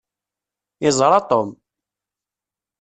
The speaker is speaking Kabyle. Iẓra Tom.